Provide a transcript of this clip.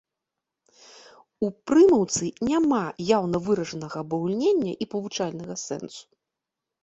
У прымаўцы няма яўна выражанага абагульнення і павучальнага сэнсу.